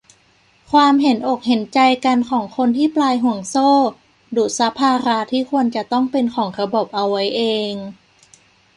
ความเห็นอกเห็นใจกันของคนที่ปลายห่วงโซ่ ดูดซับภาระที่ควรจะต้องเป็นของระบบเอาไว้เอง